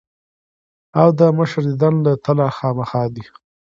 او د مشر ديدن له تلۀ خامخه دي ـ